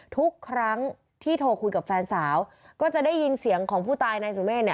ทุกครั้งที่โทรคุยกับแฟนสาวก็จะได้ยินเสียงของผู้ตายนายสุเมฆเนี่ย